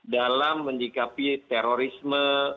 dalam menyikapi terorisme